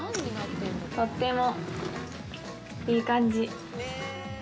とってもいい感じ！